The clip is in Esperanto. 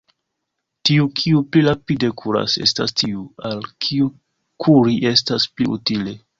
Tiu, kiu pli rapide kuras, estas tiu, al kiu kuri estas pli utile.